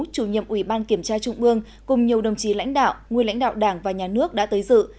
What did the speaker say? chủ nhiệm ủy ban kiểm tra trung ương cùng nhiều đồng chí lãnh đạo nguyên lãnh đạo đảng và nhà nước đã tới dự